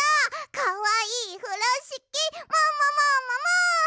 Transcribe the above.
かわいいふろしきももももも。